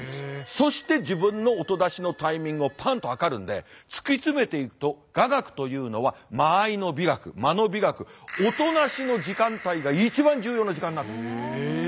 そして自分の音出しのタイミングをパンッとはかるんで突き詰めていくと雅楽というのは間合いの美学間の美学音無しの時間帯が一番重要な時間なんです。